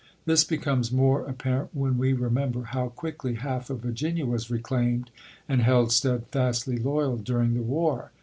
This becomes more apparent when we remember how quickly half of Virginia was reclaimed and held steadfastly loyal during the war.